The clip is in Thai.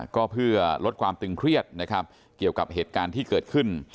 ก็เพื่อลดความตึงเครียดนะครับเกี่ยวกับเหตุการณ์ที่เกิดขึ้น